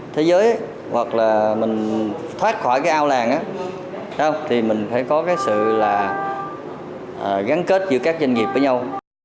thế giới hoặc là mình thoát khỏi cái ao làng thì mình phải có cái sự là gắn kết giữa các doanh nghiệp với nhau